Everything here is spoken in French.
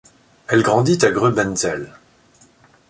Elle grandit à Gröbenzell.